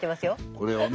これをね